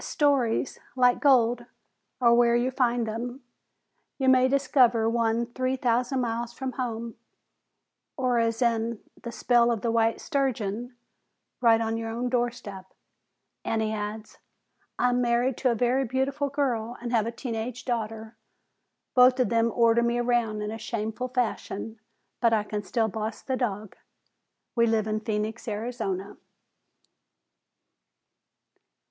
Stories, like gold, are where you find them. You may discover one three thousand miles from home or, as in THE SPELL OF THE WHITE STURGEON, right on your own door step." And he adds: "I am married to a very beautiful girl and have a teen age daughter. Both of them order me around in a shameful fashion, but I can still boss the dog! We live in Phoenix, Arizona."